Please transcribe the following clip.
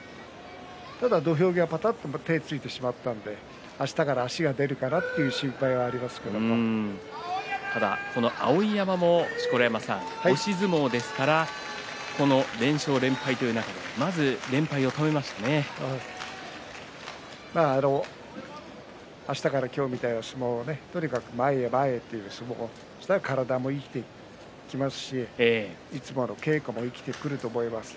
ただ土俵際ばたっと手をついてしまったのであしたから足が出るかなというただ、碧山も押し相撲ですからこの連勝連敗という中であしたから今日みたいな相撲をとにかく前へ前へという相撲そうしたら体も生きていきますしいつもの稽古も生きていくと思います。